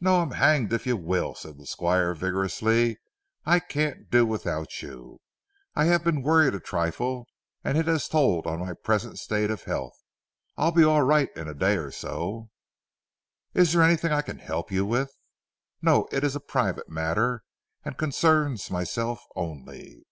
"No, I'm hanged if you will," said the Squire vigorously. "I can't do without you. I have been worried a trifle and it has told on my present state of health. I'll be all right in a day or so." "Is there anything I can help you with?" "No. It is a private matter, and concerns myself only."